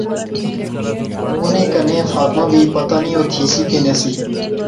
انیں کنے فاطمہ وی۔۔۔ پتہ نی او تھی سی کہ نہسی